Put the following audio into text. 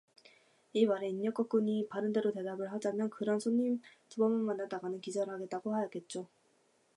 이 말에 인력거꾼이 바른대로 대답을 하자면 그런 손님 두번만 만났다가는 기절하겠다고 하겠죠